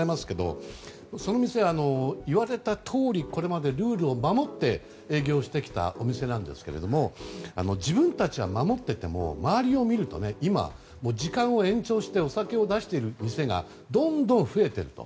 その店は、いわれたとおりこれまでルールを守って営業してきたお店なんですが自分たちは守ってても周りを見ると今、時間を延長してお酒を出している店がどんどん増えていると。